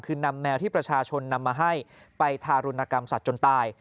คือนำแมวที่ประชาชนนำมาให้ไปทารุณกรรมสัตว์จนตาย